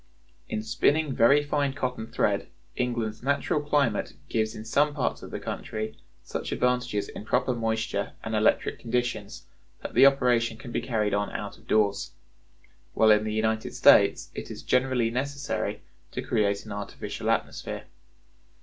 In spinning very fine cotton thread, England's natural climate gives in some parts of the country such advantages in proper moisture and electric conditions that the operation can be carried on out of doors; while in the United States it is generally necessary to create an artificial atmosphere.